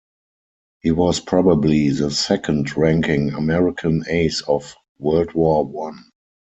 He was probably the second-ranking American ace of World War One.